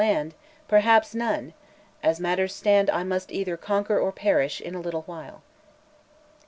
"land, perhaps none. ... As matters stand I must either conquer or perish in a little while."